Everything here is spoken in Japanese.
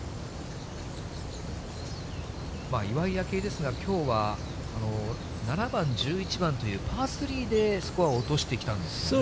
岩井明愛ですが、きょうは７番、１１番というパー３でスコアを落としてきたんですよね。